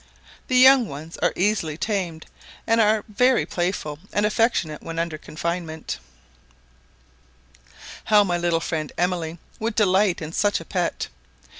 The young ones are easily tamed, and are very playful and affectionate when under confinement. [Illustration: Flying Squirrel] How my little friend Emily would delight in such a pet!